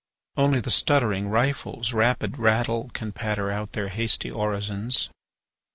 Only the stuttering rifles' rapid rattle Can patter out their hasty orisons.